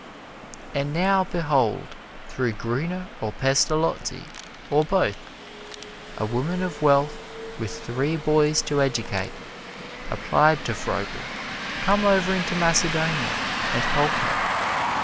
And now behold, through Gruner or Pestalozzi or both, a woman of wealth with three boys to educate applied to Froebel to come over into Macedonia and help her.